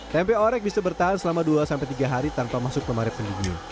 tempe orek bisa bertahan selama dua sampai tiga hari tanpa masuk kemaret penjudin